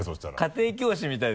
家庭教師みたいだった。